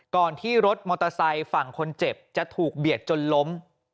ก่อนที่รถมอเตอร์ไซค์ฝั่งคนเจ็บจะถูกเบียดจนล้ม